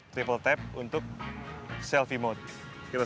triple tap untuk menggerakkan kamera ke depan